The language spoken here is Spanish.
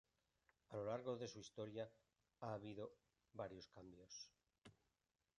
A lo largo de su historia ha habido varios cambios.